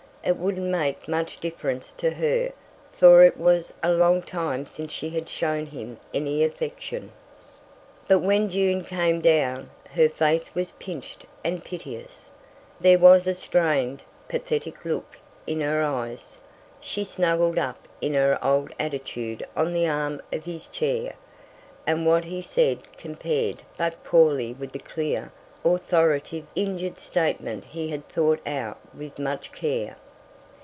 It wouldn't make much difference to her, for it was a long time since she had shown him any affection. But when June came down, her face was pinched and piteous; there was a strained, pathetic look in her eyes. She snuggled up in her old attitude on the arm of his chair, and what he said compared but poorly with the clear, authoritative, injured statement he had thought out with much care.